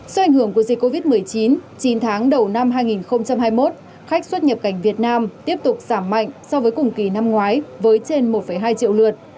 do ảnh hưởng của dịch covid một mươi chín chín tháng đầu năm hai nghìn hai mươi một khách xuất nhập cảnh việt nam tiếp tục giảm mạnh so với cùng kỳ năm ngoái với trên một hai triệu lượt